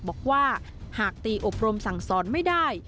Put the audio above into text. บอกว่าหากตีอบรมสั่งสอนไม่ได้